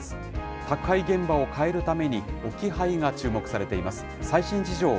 宅配現場を変えるために、置き配が注目されています。